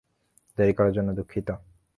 দেরি করার জন্য দুঃখিত।